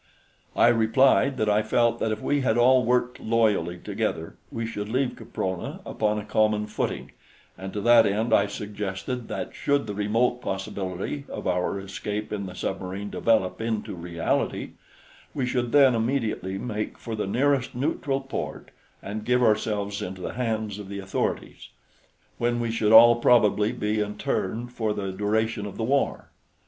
I replied that I felt that if we had all worked loyally together we should leave Caprona upon a common footing, and to that end I suggested that should the remote possibility of our escape in the submarine develop into reality, we should then immediately make for the nearest neutral port and give ourselves into the hands of the authorities, when we should all probably be interned for the duration of the war.